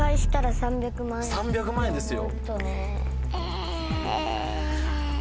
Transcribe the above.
３００万円ですよ。